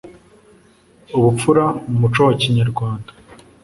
ubupfura mu muco wa kinyarwanda